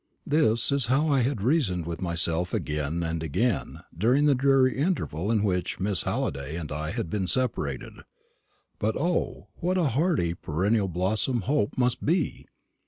This is how I had reasoned with myself again and again during the dreary interval in which Miss Halliday and I had been separated. But, O, what a hardy perennial blossom hope must be!